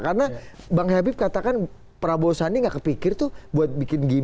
karena bang hapib katakan prabowo sandi gak kepikir tuh buat bikin gini